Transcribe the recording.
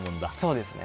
そうですね。